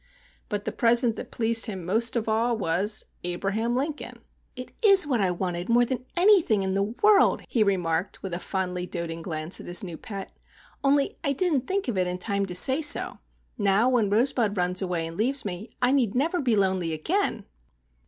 But the present that pleased him most of all was—Abraham Lincoln! "It is what I wanted more than anything in the world!" he remarked, with a fondly doting glance at his new pet. "Only I didn't think of it in time to say so. Now when Rosebud runs away and leaves me, I need never be lonely again!"